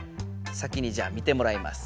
先にじゃあ見てもらいます。